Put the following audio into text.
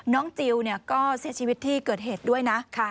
จิลก็เสียชีวิตที่เกิดเหตุด้วยนะ